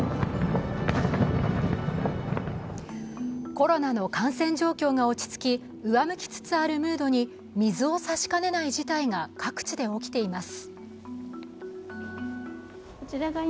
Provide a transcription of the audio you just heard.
コロナの感染状況が落ち着き、上向きつつあるムードに水を差しかねない事態が各地で起きています。